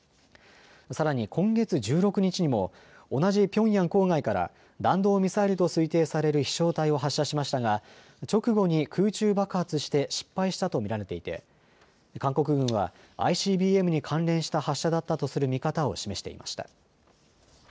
さらに今月１６日にも同じピョンヤン郊外から弾道ミサイルと推定される飛しょう体を発射しましたが直後に空中爆発して失敗したと見られていて韓国軍はＩＣＢＭに関連した発射だったとする見方を示していました。